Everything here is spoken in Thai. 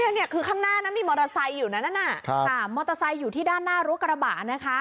เนี่ยคือข้างหน้านั้นมีมอเตอร์ไซค์อยู่นะนั่นน่ะค่ะมอเตอร์ไซค์อยู่ที่ด้านหน้ารั้วกระบะนะคะ